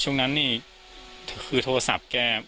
ช่วงนั้นนี่คือโทรศัพท์แก